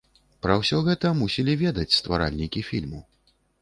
Пра ўсё гэта мусілі ведаць стваральнікі фільму.